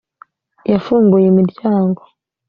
yafunguye imiryango